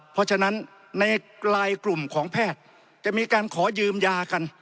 เพราะฉะนั้นในกลายกลุ่มของแพทย์จะมีการขอยืมยากัน